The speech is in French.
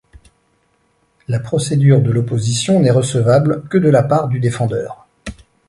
La procédure de l'opposition n'est recevable que de la part du défendeur.